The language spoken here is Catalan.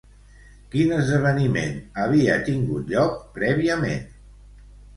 Quin esdeveniment havia tingut lloc prèviament?